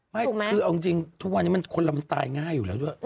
ไม่คือเอาจริงทุกวันนี้คนเรามันตายง่ายอยู่แล้วด้วย